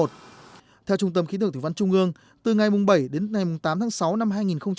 theo trung tâm khí tượng thủy văn trung ương từ ngày bảy đến ngày tám tháng sáu năm hai nghìn một mươi chín